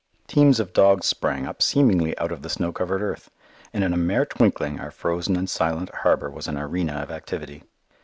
Teams of dogs sprang up seemingly out of the snow covered earth, and in a mere twinkling our frozen and silent harbour was an arena of activity.